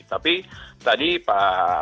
tapi tadi pak